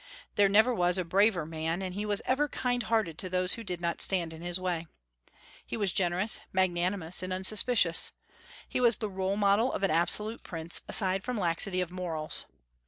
There never was a braver man, and he was ever kind hearted to those who did not stand in his way. He was generous, magnanimous, and unsuspicious. He was the model of an absolute prince, aside from laxity of morals.